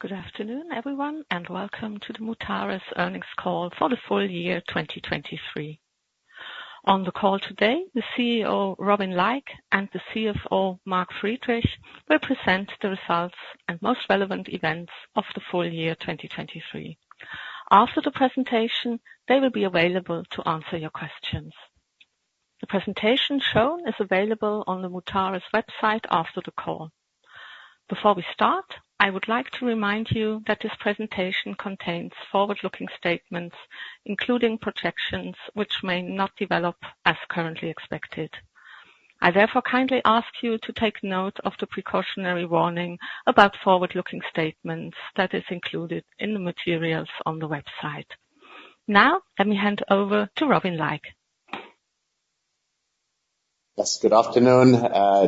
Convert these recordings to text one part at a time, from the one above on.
Good afternoon, everyone, and welcome to the MUTARES earnings call for the full year 2023. On the call today, the CEO Robin Laik and the CFO Mark Friedrich will present the results and most relevant events of the full year 2023. After the presentation, they will be available to answer your questions. The presentation shown is available on the MUTARES website after the call. Before we start, I would like to remind you that this presentation contains forward-looking statements, including projections which may not develop as currently expected. I therefore kindly ask you to take note of the precautionary warning about forward-looking statements that is included in the materials on the website. Now let me hand over to Robin Laik. Yes, good afternoon,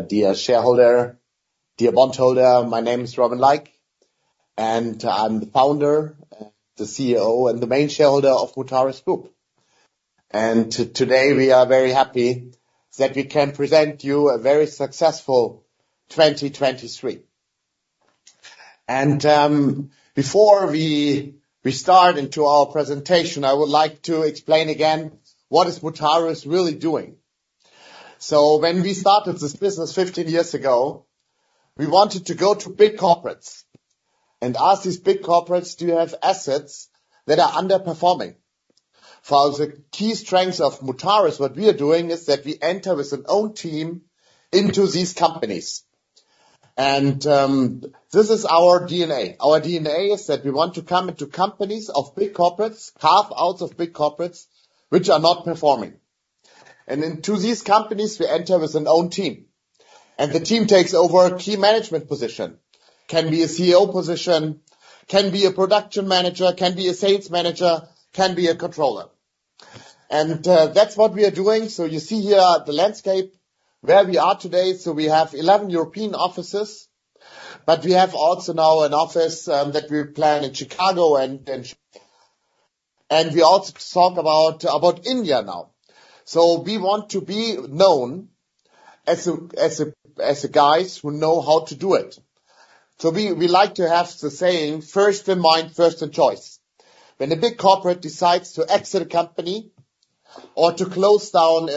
dear shareholder, dear bondholder. My name is Robin Laik, and I'm the founder, the CEO, and the main shareholder of MUTARES Group. Today we are very happy that we can present you a very successful 2023. Before we start into our presentation, I would like to explain again what is MUTARES really doing. When we started this business 15 years ago, we wanted to go to big corporates and ask these big corporates, "Do you have assets that are underperforming?" For the key strengths of MUTARES, what we are doing is that we enter with an own team into these companies. This is our DNA. Our DNA is that we want to come into companies of big corporates, carve-outs of big corporates which are not performing. Into these companies, we enter with an own team, and the team takes over a key management position. Can be a CEO position, can be a production manager, can be a sales manager, can be a controller. And that's what we are doing. So you see here the landscape where we are today. So we have 11 European offices, but we have also now an office that we plan in Chicago and China. And we also talk about India now. So we want to be known as guys who know how to do it. So we like to have the saying, "First in mind, first in choice." When a big corporate decides to exit a company or to close down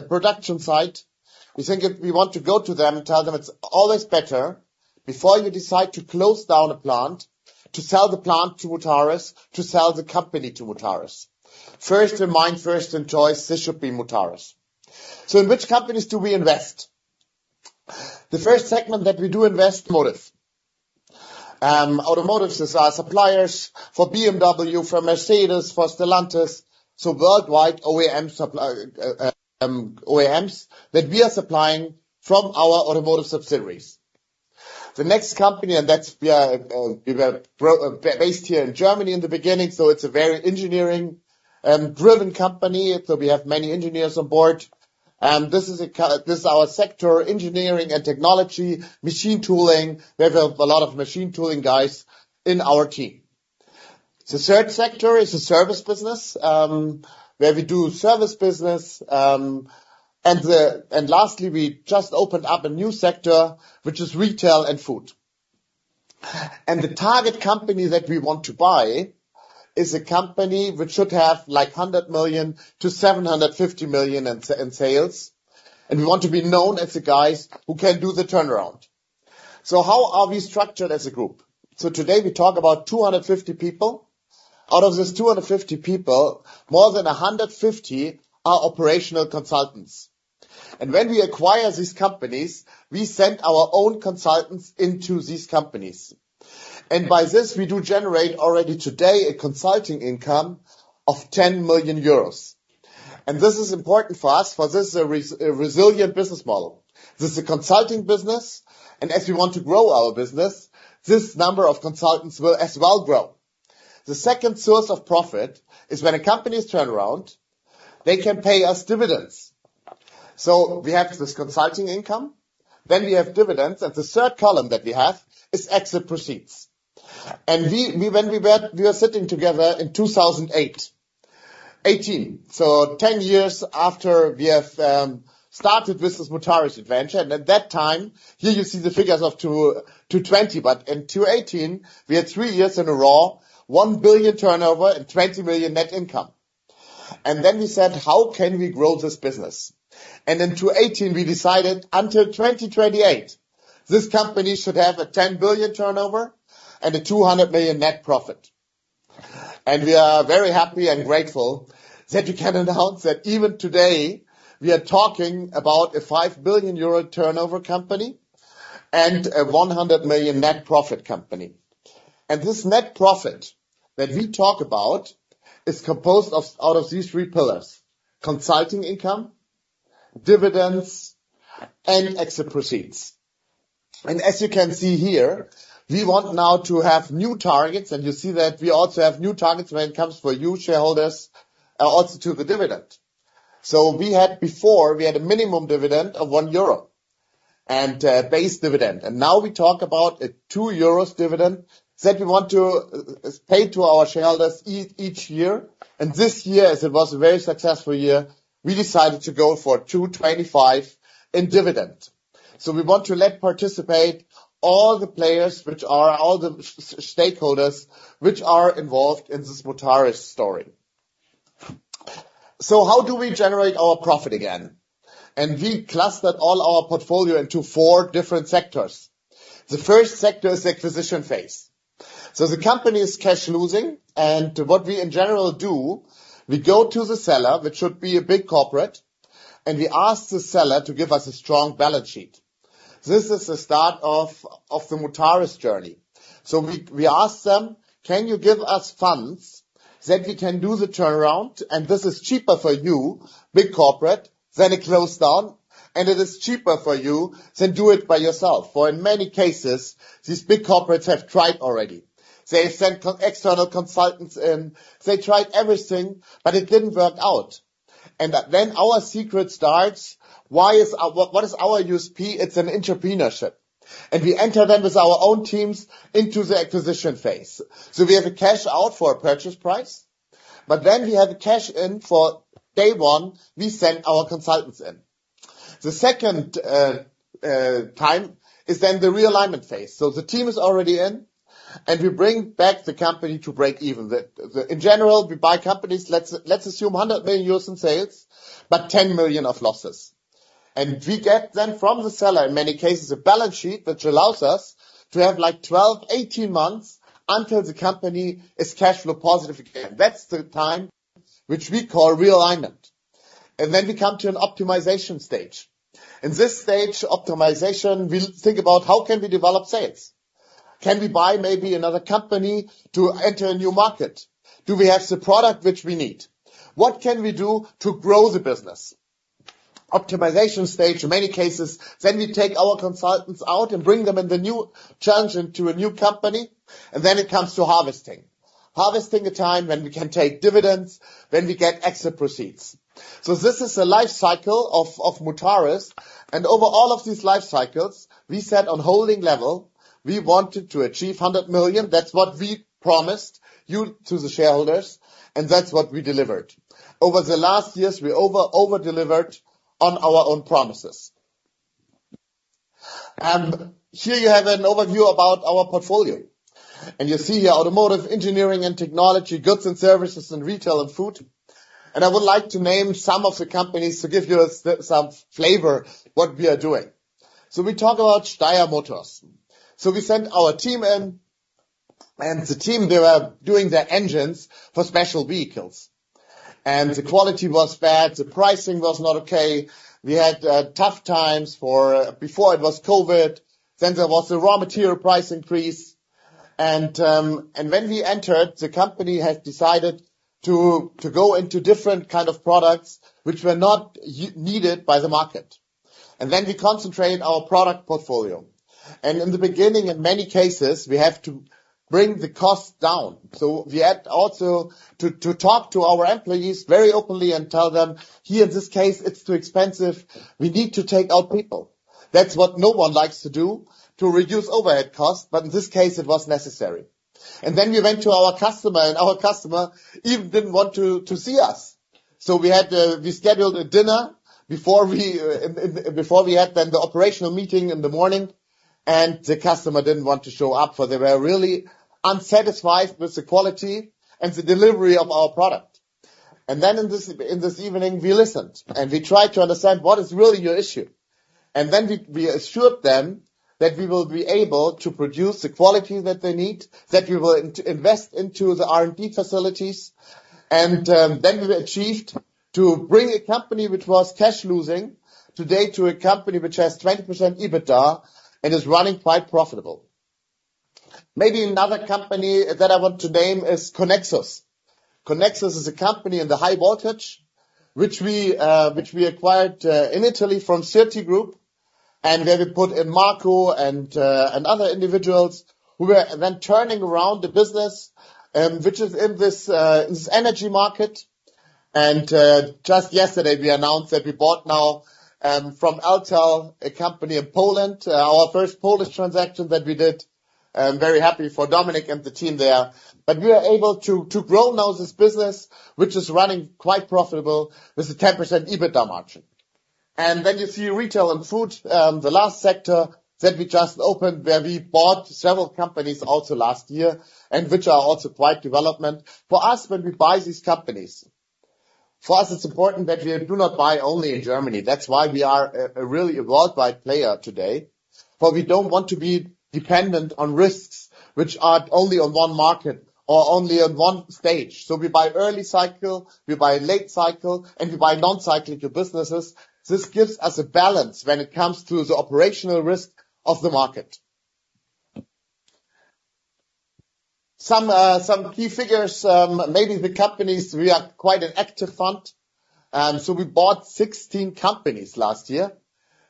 a production site, we think if we want to go to them and tell them it's always better before you decide to close down a plant to sell the plant to MUTARES, to sell the company to MUTARES, "First in mind, first in choice, this should be MUTARES." So in which companies do we invest? The first segment that we do invest: Automotive. Automotive suppliers for BMW, for Mercedes, for Stellantis. So worldwide, OEMs that we are supplying from our automotive subsidiaries. The next company, and that's we are, we were based here in Germany in the beginning, so it's a very engineering-driven company. So we have many engineers on board. This is our sector, engineering and technology, machine tooling. We have a lot of machine tooling guys in our team. The third sector is a service business, where we do service business. Lastly, we just opened up a new sector which is retail and food. The target company that we want to buy is a company which should have like 100 million-750 million in sales. We want to be known as the guys who can do the turnaround. So how are we structured as a group? Today we talk about 250 people. Out of these 250 people, more than 150 are operational consultants. When we acquire these companies, we send our own consultants into these companies. By this, we do generate already today a consulting income of 10 million euros. This is important for us, for this is really a resilient business model. This is a consulting business. As we want to grow our business, this number of consultants will as well grow. The second source of profit is when a company is turned around, they can pay us dividends. So we have this consulting income. Then we have dividends. The third column that we have is exit proceeds. When we were sitting together in 2008, 2018, so 10 years after we have started with this MUTARES adventure. At that time, here you see the figures of 2,220, but in 2018, we had three years in a row, 1 billion turnover and 20 million net income. And then we said, "How can we grow this business?" And in 2018, we decided until 2028, this company should have a 10 billion turnover and a 200 million net profit. And we are very happy and grateful that we can announce that even today, we are talking about a 5 billion euro turnover company and a 100 million net profit company. And this net profit that we talk about is composed of out of these three pillars: consulting income, dividends, and exit proceeds. And as you can see here, we want now to have new targets. And you see that we also have new targets when it comes for you shareholders, also to the dividend. So we had before, we had a minimum dividend of 1 euro and, base dividend. Now we talk about a 2 euros dividend that we want to pay to our shareholders each year. This year, as it was a very successful year, we decided to go for 2.25 in dividend. So we want to let participate all the players which are all the stakeholders which are involved in this MUTARES story. So how do we generate our profit again? We clustered all our portfolio into four different sectors. The first sector is the acquisition phase. So the company is cash losing. What we in general do, we go to the seller, which should be a big corporate, and we ask the seller to give us a strong balance sheet. This is the start of the MUTARES journey. So we ask them, "Can you give us funds that we can do the turnaround, and this is cheaper for you, big corporate, than a close down, and it is cheaper for you than do it by yourself?" For in many cases, these big corporates have tried already. They have sent in external consultants. They tried everything, but it didn't work out. And then our secret sauce starts, "Why is our USP?" It's an entrepreneurship. And we enter then with our own teams into the acquisition phase. So we have a cash out for a purchase price, but then we have a cash in for day one, we send our consultants in. The second time is then the realignment phase. So the team is already in, and we bring back the company to break even. That, in general, we buy companies. Let's, let's assume 100 million euros in sales, but 10 million of losses. And we get then from the seller, in many cases, a balance sheet which allows us to have like 12-18 months until the company is cash flow positive again. That's the time which we call realignment. And then we come to an optimization stage. In this stage, optimization, we think about, "How can we develop sales? Can we buy maybe another company to enter a new market? Do we have the product which we need? What can we do to grow the business?" Optimization stage, in many cases, then we take our consultants out and bring them in the new challenge into a new company. And then it comes to harvesting, harvesting a time when we can take dividends, when we get exit proceeds. So this is a life cycle of, of MUTARES. Over all of these life cycles, we said on holding level, we wanted to achieve 100 million. That's what we promised you to the shareholders, and that's what we delivered. Over the last years, we overdelivered on our own promises. Here you have an overview about our portfolio. You see here automotive, engineering, and technology, goods and services, and retail and food. I would like to name some of the companies to give you some flavor what we are doing. So we talk about Steyr Motors. We sent our team in, and the team, they were doing their engines for special vehicles. The quality was bad. The pricing was not okay. We had tough times before it was COVID. Then there was a raw material price increase. When we entered, the company had decided to go into different kind of products which were not yet needed by the market. And then we concentrate our product portfolio. And in the beginning, in many cases, we have to bring the cost down. So we had also to talk to our employees very openly and tell them, "Here, in this case, it's too expensive. We need to take out people." That's what no one likes to do, to reduce overhead costs. But in this case, it was necessary. And then we went to our customer, and our customer even didn't want to see us. So we scheduled a dinner before we had the operational meeting in the morning. And the customer didn't want to show up, for they were really unsatisfied with the quality and the delivery of our product. And then in this evening, we listened, and we tried to understand, "What is really your issue?" And then we assured them that we will be able to produce the quality that they need, that we will invest into the R&D facilities. And then we achieved to bring a company which was cash losing today to a company which has 20% EBITDA and is running quite profitable. Maybe another company that I want to name is Conexus. Conexus is a company in the high voltage which we acquired in Italy from Sirti Group, and where we put in Marco and other individuals who were then turning around the business, which is in this energy market. Just yesterday, we announced that we bought now, from Eltel, a company in Poland, our first Polish transaction that we did. I'm very happy for Dominik and the team there. But we are able to, to grow now this business which is running quite profitable with a 10% EBITDA margin. And then you see retail and food, the last sector that we just opened where we bought several companies also last year and which are also quite development. For us, when we buy these companies, for us, it's important that we do not buy only in Germany. That's why we are, a really a worldwide player today, for we don't want to be dependent on risks which are only on one market or only on one stage. So we buy early cycle, we buy late cycle, and we buy non-cyclical businesses. This gives us a balance when it comes to the operational risk of the market. Some key figures, maybe the companies, we are quite an active fund. We bought 16 companies last year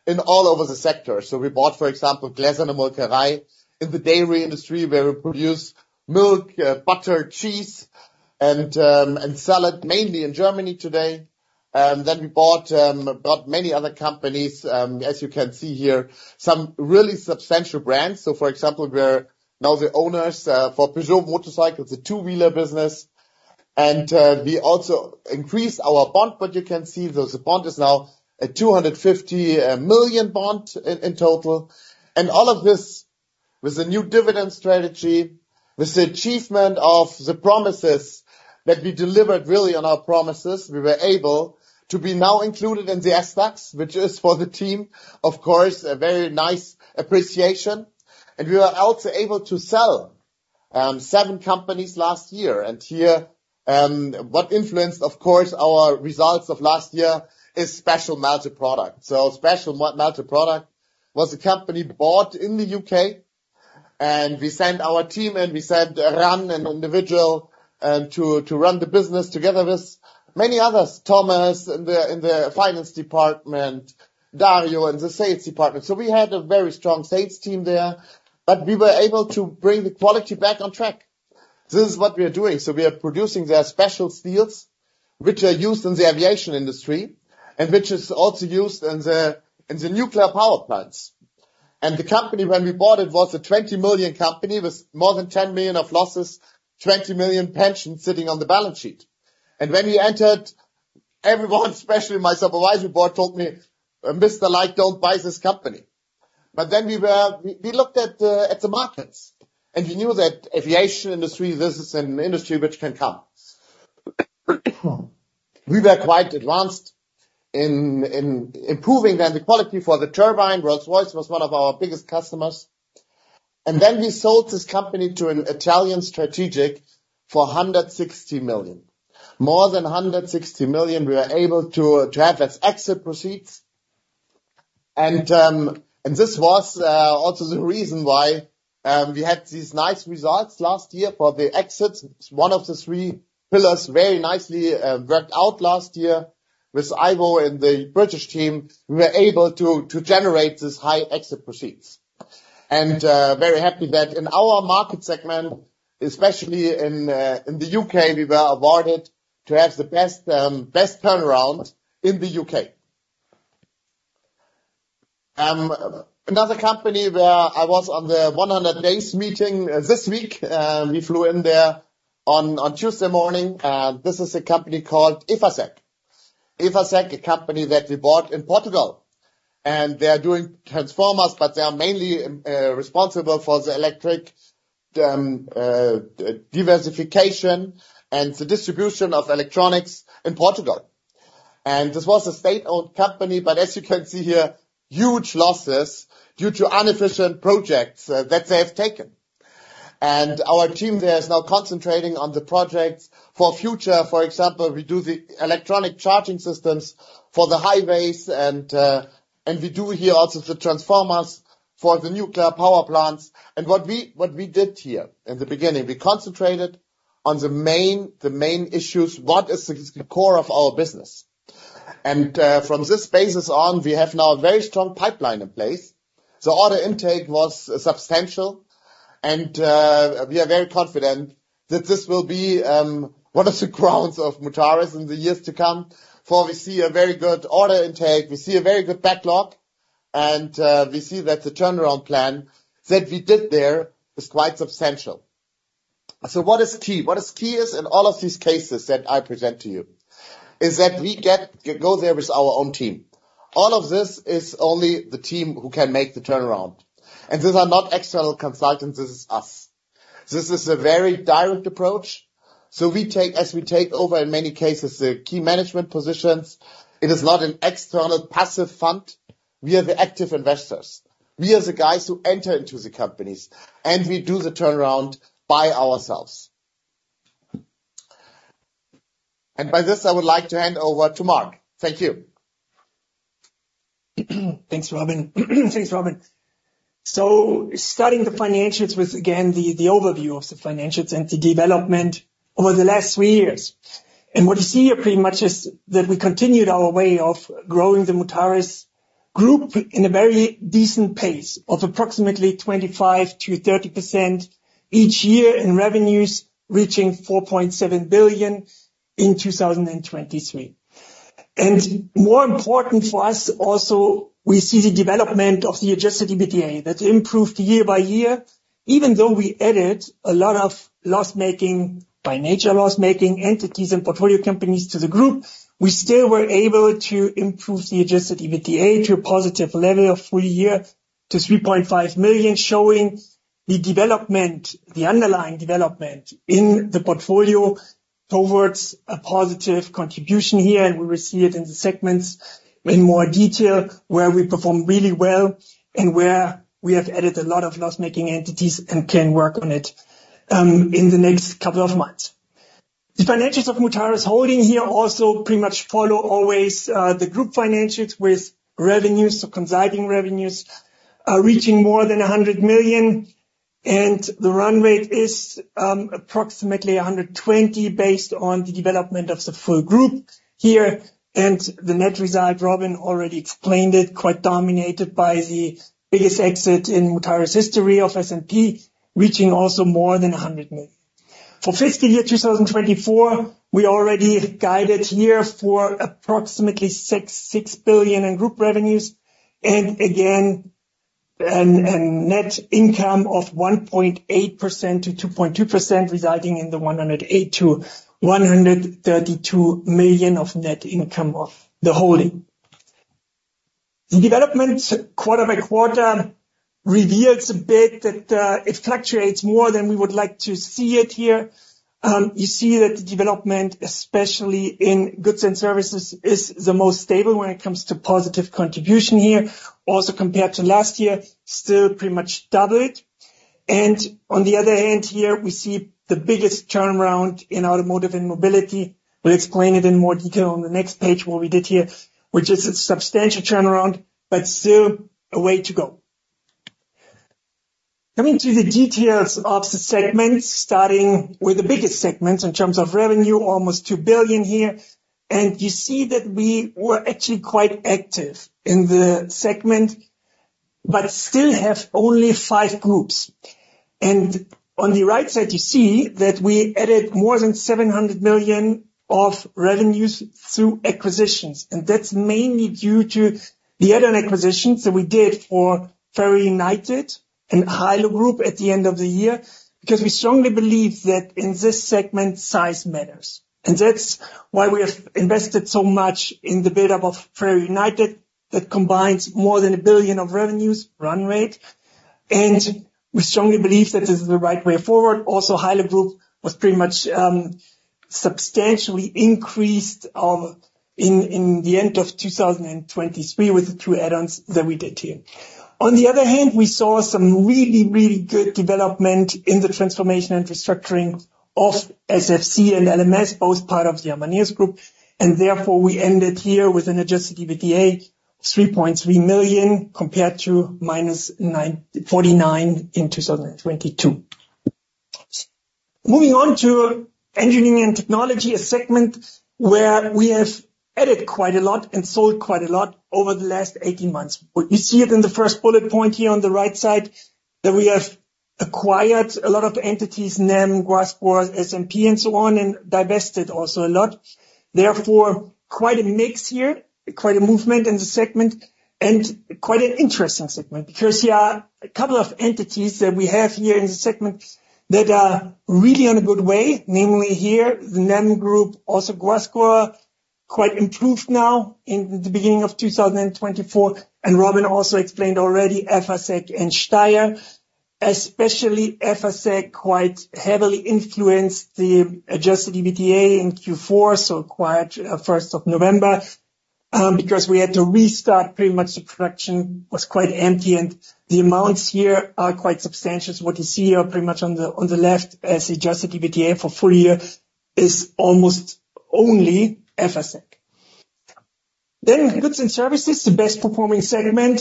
in all over the sector. We bought, for example, Gläserne Molkerei in the dairy industry where we produce milk, butter, cheese, and sell it mainly in Germany today. We bought many other companies, as you can see here, some really substantial brands. For example, we're now the owners of Peugeot Motocycles, the two-wheeler business. We also increased our bond. But you can see that the bond is now a 250 million bond in total. And all of this with a new dividend strategy, with the achievement of the promises that we delivered really on our promises, we were able to be now included in the SDAX, which is for the team, of course, a very nice appreciation. And we were also able to sell 7 companies last year. And here, what influenced, of course, our results of last year is Special Melted Products. So Special Melted Products was a company bought in the UK. And we sent our team, and we sent Ran and an individual to run the business together with many others, Thomas in the finance department, Dario in the sales department. So we had a very strong sales team there. But we were able to bring the quality back on track. This is what we are doing. So we are producing their special steels, which are used in the aviation industry and which is also used in the nuclear power plants. And the company, when we bought it, was a 20 million company with more than 10 million of losses, 20 million pensions sitting on the balance sheet. And when we entered, everyone, especially my supervisory board, told me, "Mr. Laik, don't buy this company." But then we were, we looked at the markets. And we knew that aviation industry, this is an industry which can come. We were quite advanced in improving then the quality for the turbine. Rolls-Royce was one of our biggest customers. And then we sold this company to an Italian strategic for 160 million, more than 160 million. We were able to have its exit proceeds. This was also the reason why we had these nice results last year for the exits. One of the three pillars very nicely worked out last year with Ivo and the British team. We were able to generate these high exit proceeds. Very happy that in our market segment, especially in the UK, we were awarded to have the best turnaround in the UK. Another company where I was on the 100-day meeting this week, we flew in there on Tuesday morning. This is a company called Efacec, a company that we bought in Portugal. They are doing transformers, but they are mainly responsible for the electric diversification and the distribution of electronics in Portugal. This was a state-owned company. But as you can see here, huge losses due to inefficient projects that they have taken. And our team there is now concentrating on the projects for future. For example, we do the electronic charging systems for the highways. And we do here also the transformers for the nuclear power plants. And what we did here in the beginning, we concentrated on the main issues, what is the core of our business. And from this basis on, we have now a very strong pipeline in place. The order intake was substantial. And we are very confident that this will be one of the grounds of MUTARES in the years to come, for we see a very good order intake. We see a very good backlog. And we see that the turnaround plan that we did there is quite substantial. So what is key? What is key is in all of these cases that I present to you is that we go there with our own team. All of this is only the team who can make the turnaround. These are not external consultants. This is us. This is a very direct approach. We take as we take over, in many cases, the key management positions. It is not an external passive fund. We are the active investors. We are the guys who enter into the companies. We do the turnaround by ourselves. By this, I would like to hand over to Mark. Thank you. Thanks, Robin. Thanks, Robin. Starting the financials with, again, the overview of the financials and the development over the last three years. What you see here pretty much is that we continued our way of growing the MUTARES group in a very decent pace of approximately 25%-30% each year in revenues reaching 4.7 billion in 2023. More important for us also, we see the development of the Adjusted EBITDA that improved year by year. Even though we added a lot of loss-making by nature, loss-making entities and portfolio companies to the group, we still were able to improve the Adjusted EBITDA to a positive level of full year to 3.5 million, showing the development, the underlying development in the portfolio towards a positive contribution here. We will see it in the segments in more detail where we perform really well and where we have added a lot of loss-making entities and can work on it in the next couple of months. The financials of MUTARES Holding here also pretty much follow always the group financials with revenues, so consulting revenues, reaching more than 100 million. The run rate is approximately 120 million based on the development of the full group here. The net result, Robin already explained it, quite dominated by the biggest exit in MUTARES history of SMP, reaching also more than 100 million. For fiscal year 2024, we already guided here for approximately 6.6 billion in group revenues and, again, a net income of 1.8%-2.2%, resulting in 108 million-132 million of net income of the holding. The development quarter by quarter reveals a bit that it fluctuates more than we would like to see it here. You see that the development, especially in goods and services, is the most stable when it comes to positive contribution here, also compared to last year, still pretty much doubled. And on the other hand, here, we see the biggest turnaround in automotive and mobility. We'll explain it in more detail on the next page what we did here, which is a substantial turnaround, but still a way to go. Coming to the details of the segments, starting with the biggest segments in terms of revenue, almost 2 billion here. And you see that we were actually quite active in the segment but still have only five groups. And on the right side, you see that we added more than 700 million of revenues through acquisitions. And that's mainly due to the add-on acquisitions that we did for FerrAl United and Hailo Group at the end of the year because we strongly believe that in this segment, size matters. And that's why we have invested so much in the buildup of FerrAl United that combines more than 1 billion of revenues, run rate. And we strongly believe that this is the right way forward. Also, Hailo Group was pretty much substantially increased in the end of 2023 with the two add-ons that we did here. On the other hand, we saw some really, really good development in the transformation and restructuring of SFC and LMS, both part of the Amaneos Group. And therefore, we ended here with an adjusted EBITDA of 3.3 million compared to minus 9.49 million in 2022. Moving on to engineering and technology, a segment where we have added quite a lot and sold quite a lot over the last 18 months. You see it in the first bullet point here on the right side that we have acquired a lot of entities, NEM, Guascor, SMP, and so on, and divested also a lot. Therefore, quite a mix here, quite a movement in the segment, and quite an interesting segment because here are a couple of entities that we have here in the segment that are really on a good way, namely here, the NEM Group, also Guascor, quite improved now in the beginning of 2024. And Robin also explained already Efacec and Steyr, especially Efacec, quite heavily influenced the Adjusted EBITDA in Q4, so acquired 1st of November, because we had to restart pretty much the production. It was quite empty. The amounts here are quite substantial. What you see here pretty much on the left as Adjusted EBITDA for full year is almost only Efacec. Then goods and services, the best-performing segment,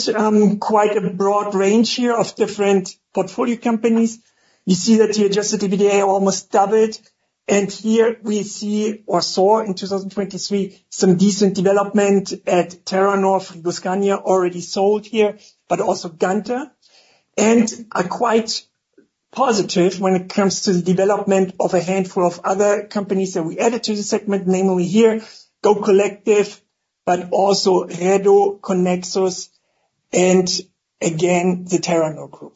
quite a broad range here of different portfolio companies. You see that the Adjusted EBITDA almost doubled. And here, we see or saw in 2023 some decent development at Terranor, Frigoscandia, already sold here, but also Ganter. And quite positive when it comes to the development of a handful of other companies that we added to the segment, namely here, GoCollective, but also REDO, Conexus, and, again, the Terranor Group.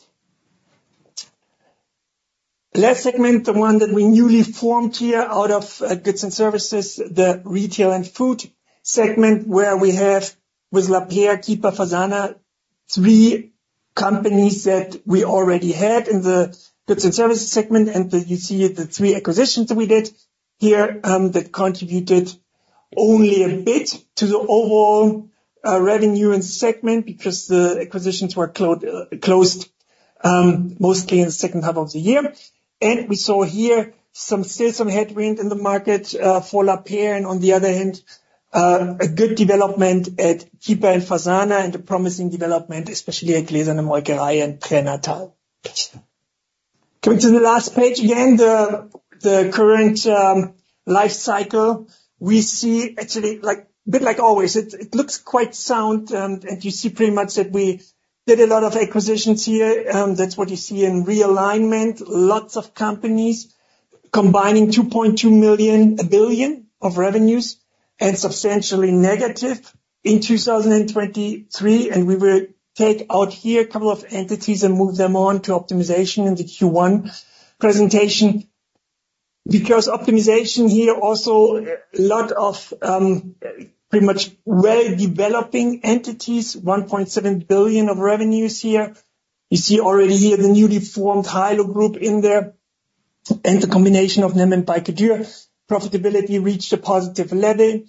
Last segment, the one that we newly formed here out of goods and services, the retail and food segment where we have with Lapeyre, Keeeper, FASANA, three companies that we already had in the goods and services segment. You see the three acquisitions that we did here, that contributed only a bit to the overall revenue and segment because the acquisitions were closed, mostly in the second half of the year. We saw here still some headwind in the market for Lapeyre. On the other hand, a good development at Keeeper and FASANA and a promising development, especially at Gläserne Molkerei and Terranor. Coming to the last page, again, the current lifecycle, we see actually, like, a bit like always, it, it looks quite sound, and you see pretty much that we did a lot of acquisitions here. That's what you see in realignment, lots of companies combining 2.2 billion of revenues and substantially negative in 2023. We will take out here a couple of entities and move them on to optimization in the Q1 presentation because optimization here also, a lot of, pretty much well-developing entities, 1.7 billion of revenues here. You see already here the newly formed Hailo Group in there and the combination of NEM and Balcke-Dürr. Profitability reached a positive level.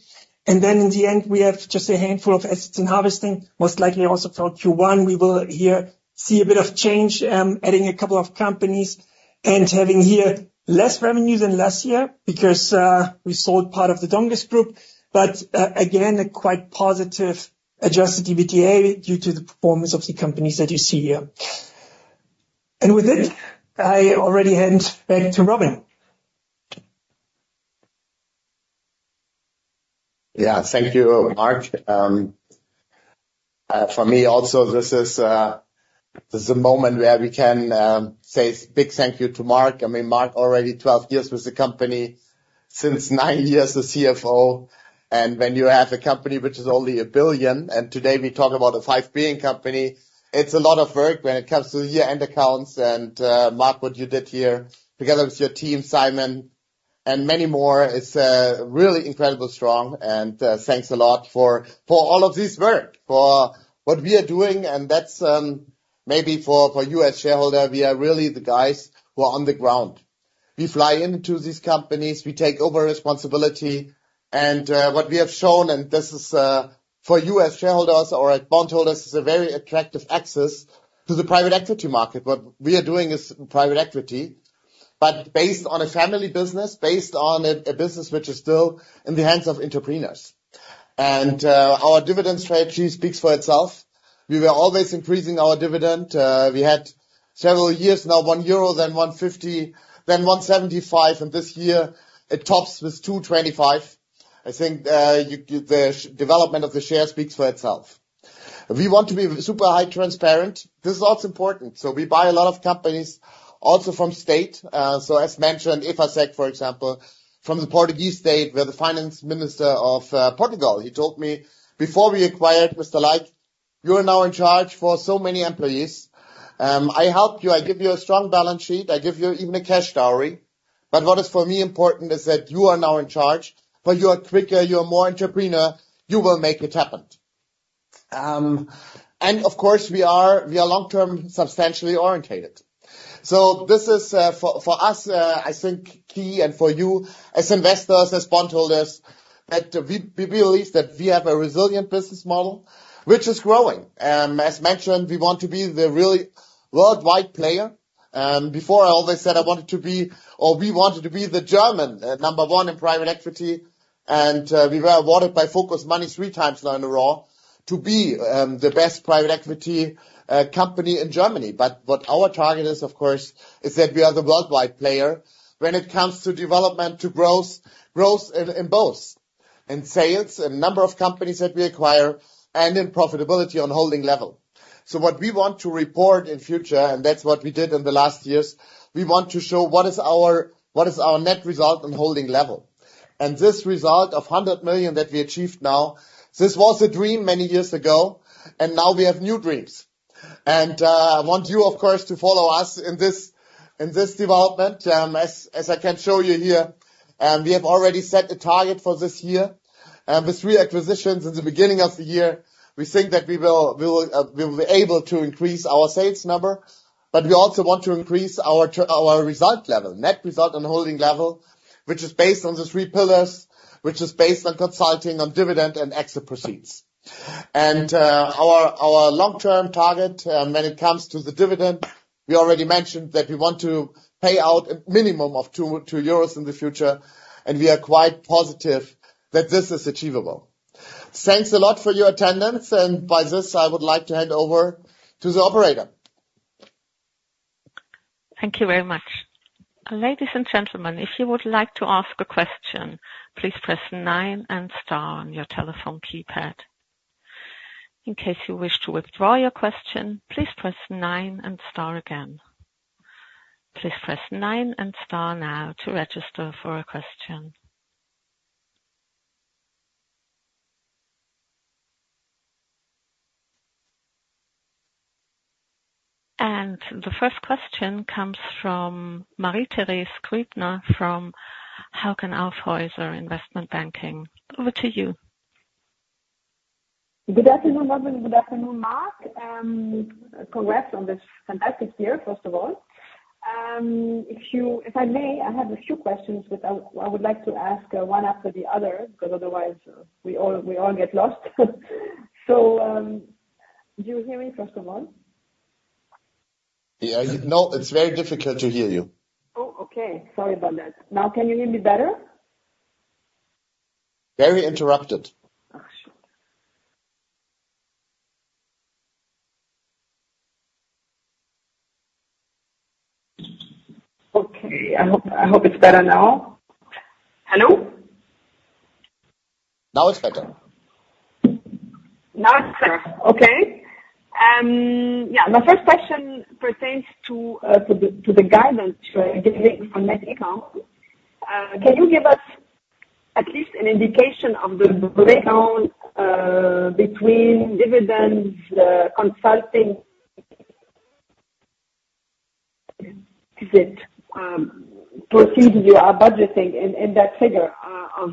Then in the end, we have just a handful of assets in harvesting, most likely also for Q1. We will here see a bit of change, adding a couple of companies and having here less revenues than last year because we sold part of the Donges Group. But again, a quite positive Adjusted EBITDA due to the performance of the companies that you see here. With it, I already hand back to Robin. Yeah. Thank you, Mark. For me also, this is a moment where we can say a big thank you to Mark. I mean, Mark already 12 years with the company, since nine years the CFO. And when you have a company which is only 1 billion, and today we talk about a 5 billion company, it's a lot of work when it comes to year-end accounts. And, Mark, what you did here together with your team, Simon, and many more, it's really incredibly strong. And, thanks a lot for all of this work, for what we are doing. And that's maybe for you as shareholder, we are really the guys who are on the ground. We fly into these companies. We take over responsibility. And, what we have shown, and this is, for you as shareholders or as bondholders, is a very attractive access to the private equity market. What we are doing is private equity, but based on a family business, based on a business which is still in the hands of entrepreneurs. Our dividend strategy speaks for itself. We were always increasing our dividend. We had several years now 1 euro, then 1.50, then 1.75. This year, it tops with 2.25. I think the development of the share speaks for itself. We want to be super highly transparent. This is also important. We buy a lot of companies also from state. As mentioned, Efacec, for example, from the Portuguese state. The finance minister of Portugal. He told me before we acquired, Mr. Laik, you are now in charge for so many employees. I help you. I give you a strong balance sheet. I give you even a cash salary. But what is for me important is that you are now in charge, but you are quicker. You are more entrepreneur. You will make it happen. And of course, we are long-term, substantially orientated. So this is, for us, I think, key and for you as investors, as bondholders, that we believe that we have a resilient business model which is growing. As mentioned, we want to be the really worldwide player. Before, I always said I wanted to be, or we wanted to be the German number one in private equity. And we were awarded by Focus Money three times now in a row to be the best private equity company in Germany. But what our target is, of course, is that we are the worldwide player when it comes to development, to growth, growth in both, in sales, in number of companies that we acquire, and in profitability on holding level. So what we want to report in future, and that's what we did in the last years, we want to show what is our net result on holding level. And this result of 100 million that we achieved now, this was a dream many years ago. And now we have new dreams. And I want you, of course, to follow us in this development. As I can show you here, we have already set a target for this year. With three acquisitions in the beginning of the year, we think that we will be able to increase our sales number. But we also want to increase our result level, net result on holding level, which is based on the three pillars, which is based on consulting, on dividend, and exit proceeds. And our long-term target, when it comes to the dividend, we already mentioned that we want to pay out a minimum of 2 euros in the future. And we are quite positive that this is achievable. Thanks a lot for your attendance. And by this, I would like to hand over to the operator. Thank you very much. Ladies and gentlemen, if you would like to ask a question, please press 9 and star on your telephone keypad. In case you wish to withdraw your question, please press 9 and star again. Please press 9 and star now to register for a question. And the first question comes from Marie-Thérèse Grübner from Hauck Aufhäuser Investment Banking. Over to you. Good afternoon, Robin. Good afternoon, Mark. Congrats on this fantastic year, first of all. If I may, I have a few questions which I would like to ask, one after the other because otherwise, we all get lost. So, do you hear me, first of all? Yeah. No, it's very difficult to hear you. Oh, okay. Sorry about that. Now, can you hear me better? Very interrupted. Okay. I hope it's better now. Hello? Now it's better. Now it's better. Okay. Yeah. My first question pertains to the guidance given from net income. Can you give us at least an indication of the breakdown between dividends, consulting is it, proceeds you are budgeting in that figure of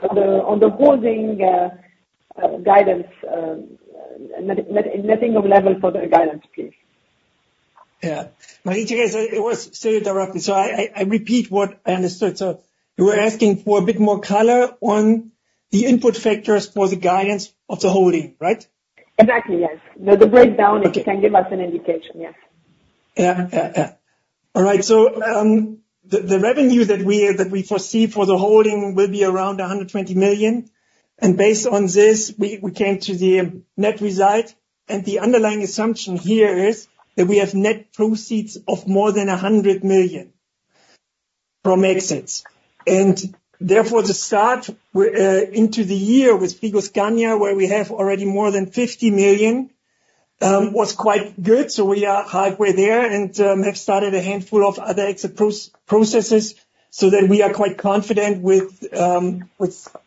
on the holding guidance net income level for the guidance, please? Yeah. Marie-Thérèse, it was still interrupting. So I repeat what I understood. So you were asking for a bit more color on the input factors for the guidance of the holding, right? Exactly. Yes. The breakdown, if you can give us an indication. Yes. Yeah. Yeah. Yeah. All right. So, the revenue that we foresee for the holding will be around 120 million. And based on this, we came to the net result. And the underlying assumption here is that we have net proceeds of more than 100 million from exits. And therefore, the start into the year with Frigoscandia, where we have already more than 50 million, was quite good. So we are halfway there and have started a handful of other exit processes so that we are quite confident with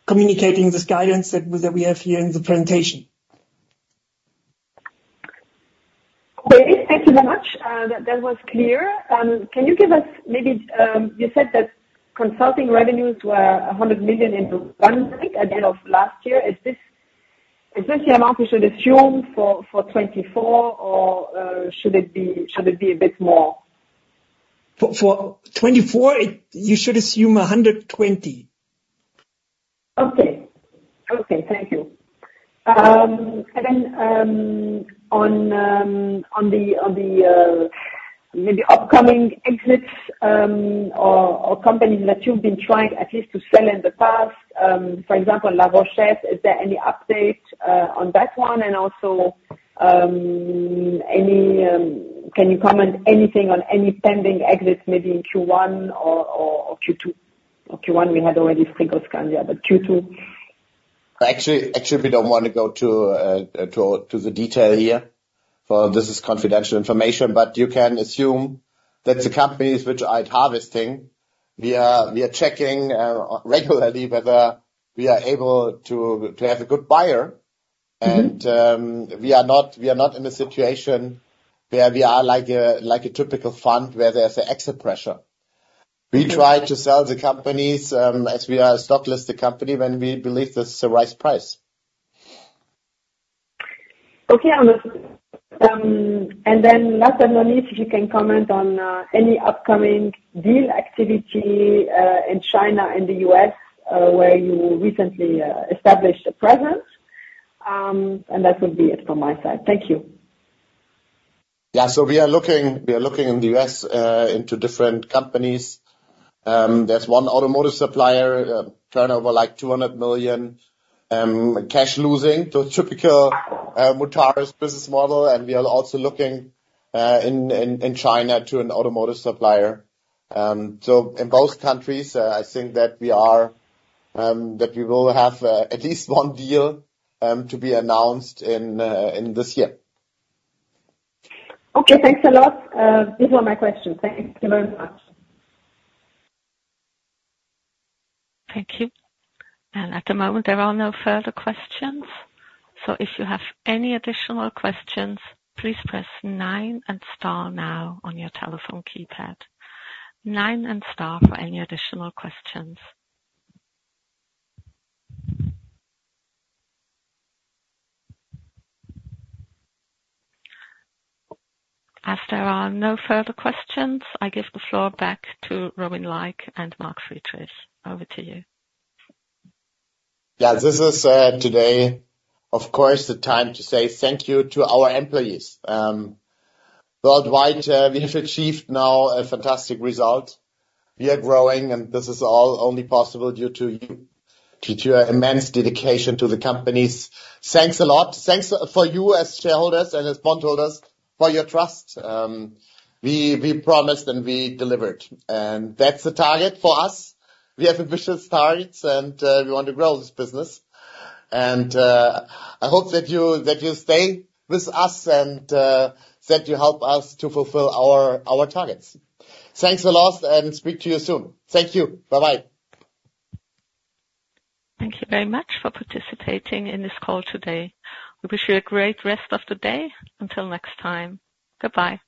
communicating this guidance that we have here in the presentation. Great. Thank you very much. That was clear. Can you give us maybe you said that consulting revenues were 100 million in the one at the end of last year? Is this the amount we should assume for 2024, or should it be a bit more? For 2024, you should assume 120 million. Okay. Okay. Thank you. And then, on the maybe upcoming exits, or companies that you've been trying at least to sell in the past, for example, La Rochette, is there any update on that one? Can you comment on any pending exits maybe in Q1 or Q2? Or Q1, we had already Frigoscandia, but Q2. Actually, we don't want to go into the detail here. For this is confidential information. But you can assume that the companies which we're harvesting, we are checking regularly whether we are able to have a good buyer. And we are not in a situation where we are like a typical fund where there's an exit pressure. We try to sell the companies, as we are a stock-listed company, when we believe this is the right price. Okay. Understood. And then last but not least, if you can comment on any upcoming deal activity in China and the U.S., where you recently established a presence. And that would be it from my side. Thank you. Yeah. So we are looking in the US into different companies. There's one automotive supplier, turnover like 200 million, cash losing, so typical MUTARES business model. And we are also looking in China to an automotive supplier. So in both countries, I think that we will have at least one deal to be announced in this year. Okay. Thanks a lot. These were my questions. Thank you very much. Thank you. And at the moment, there are no further questions. So if you have any additional questions, please press 9 and star now on your telephone keypad. 9 and star for any additional questions. As there are no further questions, I give the floor back to Robin Laik and Mark Friedrich. Over to you. Yeah. This is today, of course, the time to say thank you to our employees. Worldwide, we have achieved now a fantastic result. We are growing. This is all only possible due to you, due to your immense dedication to the companies. Thanks a lot. Thanks to you as shareholders and as bondholders for your trust. We promised, and we delivered. That's the target for us. We have ambitious targets, and we want to grow this business. I hope that you stay with us and that you help us to fulfill our targets. Thanks a lot, and speak to you soon. Thank you. Bye-bye. Thank you very much for participating in this call today. We wish you a great rest of the day. Until next time. Bye-bye.